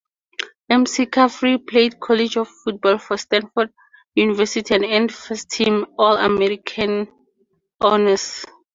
McCaffrey played college football for Stanford University and earned first-team All-American honors.